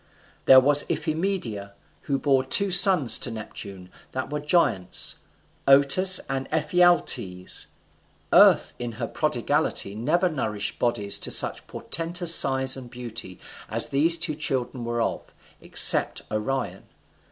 There was Iphimedia, who bore two sons to Neptune that were giants, Otus and Ephialtes: Earth in her prodigality never nourished bodies to such portentous size and beauty as these two children were of, except Orion.